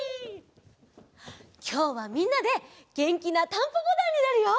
きょうはみんなでげんきな「タンポポだん」になるよ！